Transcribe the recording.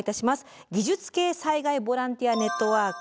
技術系災害ボランティアネットワーク